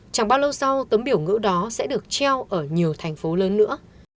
chẳng bao lâu sau tấm biểu ngữ đó sẽ được treo ở nhiều thành phố lớn nữa